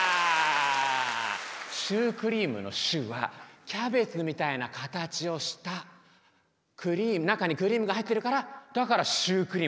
シュークリームの「シュー」はキャベツみたいな形をした中にクリームが入ってるからだからシュークリームっていうんだよ。